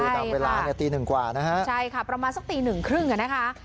ตามเวลาเนี่ยตีหนึ่งกว่านะฮะใช่ค่ะประมาณสักตีหนึ่งครึ่งอ่ะนะคะ